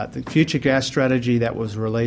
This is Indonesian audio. tapi secara terlalu besar